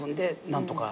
何とか。